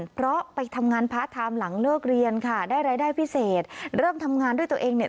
เพราะไปทำงานพาร์ทไทม์หลังเลิกเรียนค่ะได้รายได้พิเศษเริ่มทำงานด้วยตัวเองเนี่ย